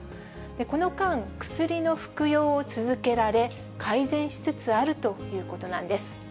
この間、薬の服用を続けられ、改善しつつあるということなんです。